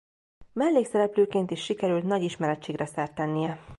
Mellékszereplőként is sikerült nagy ismertségre szert tennie.